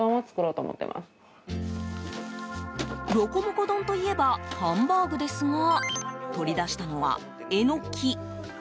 ロコモコ丼といえばハンバーグですが取り出したのはエノキ。